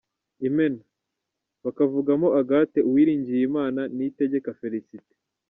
Imena: bakavugamo Agathe Uwiringiyimana, Niyitegeka Félicité,..